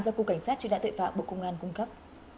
do cục cảnh sát truy nã tuệ phạm bộ công an cung cấp